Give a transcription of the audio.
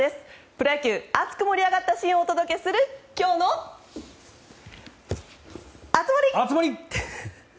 プロ野球、熱く盛り上がったシーンをお伝えする今日の熱盛。